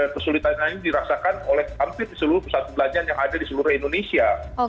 kesulitananya dirasakan oleh hampir seluruh pusat perbelanjaan yang ada di seluruh indonesia